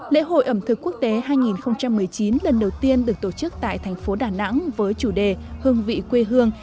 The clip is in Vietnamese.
lễ hội ẩm thực quốc tế hai nghìn một mươi chín lần đầu tiên được tổ chức tại thành phố đà nẵng với chủ đề hương vị quê hương